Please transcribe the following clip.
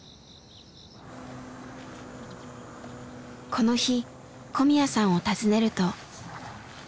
この日小宮さんを訪ねると。